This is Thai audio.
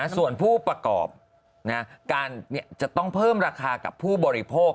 ส่วนผู้ประกอบการจะต้องเพิ่มราคากับผู้บริโภค